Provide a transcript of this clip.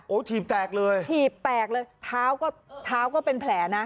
โอ้ถีบแตกเลยถีบแตกเลยท้าวก็เป็นแผลนะ